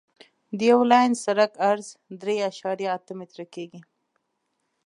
د یو لاین سرک عرض درې اعشاریه اته متره کیږي